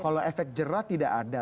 kalau efek jerah tidak ada